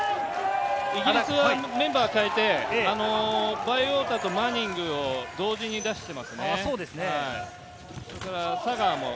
イギリスはメンバーを変えて、バイウォーターとマニングを同時に出していますね。